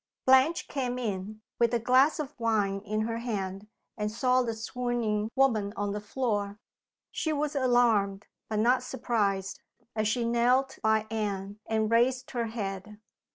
BLANCHE came in, with a glass of wine in her hand, and saw the swooning woman on the floor. She was alarmed, but not surprised, as she knelt by Anne, and raised her head.